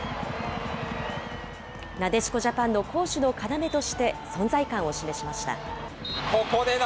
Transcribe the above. なでしこジャパンの攻守の要として存在感を示しました。